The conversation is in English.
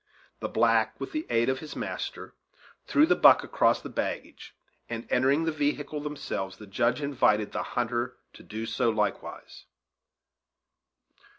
The black, with the aid of his master, threw the buck across the baggage and entering the vehicle themselves, the Judge invited the hunter to do so likewise.